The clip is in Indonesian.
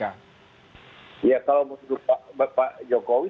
ya kalau menurut pak jokowi